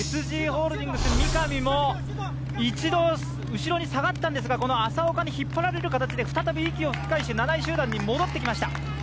ＳＧホールディングス・三上も一度後ろに下がったんですが、浅岡に引っ張られる形で再び息を吹き返して７位集団に戻ってきました。